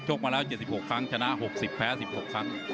มาแล้ว๗๖ครั้งชนะ๖๐แพ้๑๖ครั้ง